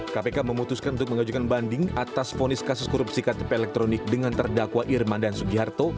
kpk memutuskan untuk mengajukan banding atas fonis kasus korupsi ktp elektronik dengan terdakwa irman dan sugiharto